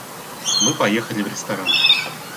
Мы поехали в ресторан.